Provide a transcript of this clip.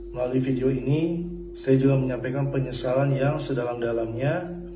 melalui video ini saya juga menyampaikan penyesalan yang sedalam dalamnya